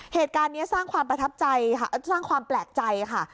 เหตุการณ์นี้สร้างความประทับใจค่ะสร้างความแปลกใจค่ะ